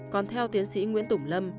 còn theo tiến sĩ nguyễn tủng lâm